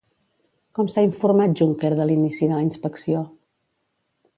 Com s'ha informat Juncker de l'inici de la inspecció?